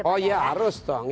oh ya harus dong